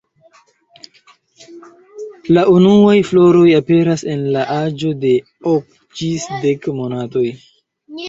La unuaj floroj aperas en la aĝo de ok ĝis dek monatoj.